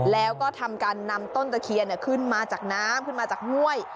แล้วก็ทำการนำต้นตะเคียนขึ้นมาจากน้ำขึ้นมาจากห้วย